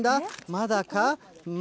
まだか？